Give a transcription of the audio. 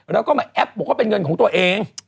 แล้วก็มาแอปบอกว่าเป็นเงินของตัวเอง